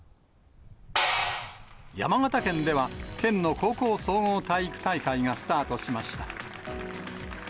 山形県では、県の高校総合体育大会がスタートしました。